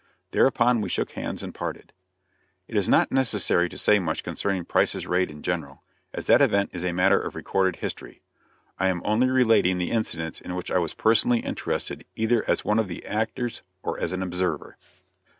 Thereupon we shook hands and parted. It is not necessary to say much concerning Price's raid in general, as that event is a matter of recorded history. I am only relating the incidents in which I was personally interested either as one of the actors or as an observer.